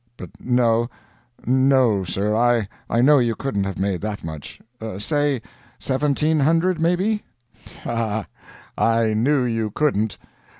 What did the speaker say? But no; no, sir, I know you couldn't have made that much. Say seventeen hundred, maybe?" "Ha! ha! I knew you couldn't.